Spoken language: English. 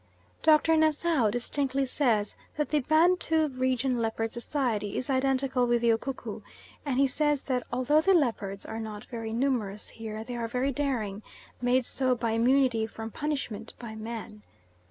Dr. Nassau distinctly says that the Bantu region leopard society is identical with the Ukuku, and he says that although the leopards are not very numerous here they are very daring, made so by immunity from punishment by man.